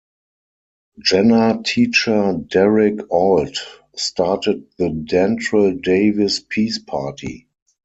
Jenner teacher Derek Ault started the Dantrell Davis Peace Party.